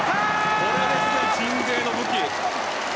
これですよ、鎮西の武器。